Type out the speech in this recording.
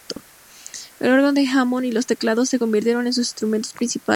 El órgano de Hammond y los teclados se convirtieron en sus instrumentos principales.